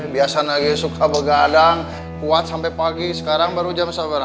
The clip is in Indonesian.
biasa lagi suka begadang kuat sampai pagi sekarang baru jam sabar